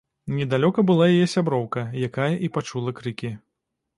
Недалёка была яе сяброўка, якая і пачула крыкі.